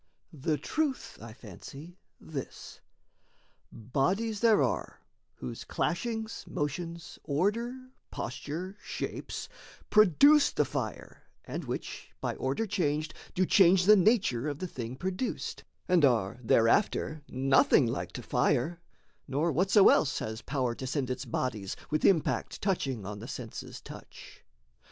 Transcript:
The truth, I fancy, this: bodies there are Whose clashings, motions, order, posture, shapes Produce the fire and which, by order changed, Do change the nature of the thing produced, And are thereafter nothing like to fire Nor whatso else has power to send its bodies With impact touching on the senses' touch.